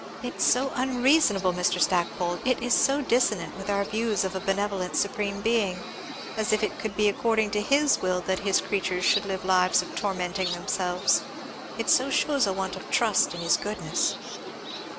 It's so unreasonable, Mr. Stackpole it is so dissonant with our views of a benevolent Supreme Being as if it could be according to his will that his creatures should live lives of tormenting themselves it so shews a want of trust in his goodness!"